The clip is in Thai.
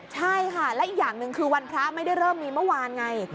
ใช่ค่ะและอีกอย่างหนึ่งคือวันพระไม่ได้เริ่มมีเมื่อวานไง